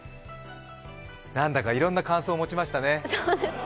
なんだかいろんな感想を持ちましたね。